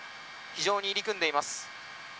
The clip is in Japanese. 非常に入りくんでいます。